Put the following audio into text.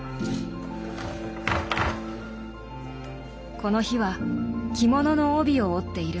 この日は着物の帯を織っているんだよ。